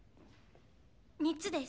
３つです